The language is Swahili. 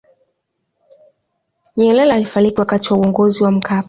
nyerere alifariki wakati wa uongozi wa mkapa